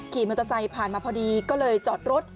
ขี่มอเตอร์ไซค์ผ่านมาพอดีก็เลยจอดรถ